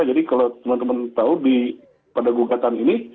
jadi kalau teman teman tahu pada gugatan ini